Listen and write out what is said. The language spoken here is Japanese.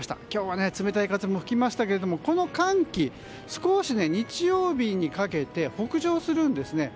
今日は冷たい風も吹きましたけれども、この寒気少し日曜日にかけて北上するんです。